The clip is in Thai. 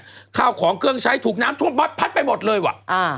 ที่ข้าวของเครื่องใช้ถูกน้ำท่วมพัดไปหมดเลยอ้ะ